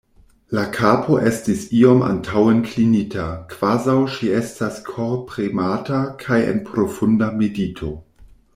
La kapo estis iom antaŭen klinita, kvazaŭ ŝi estas korpremata kaj en profunda medito.